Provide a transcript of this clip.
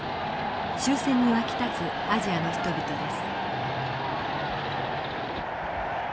終戦に沸き立つアジアの人々です。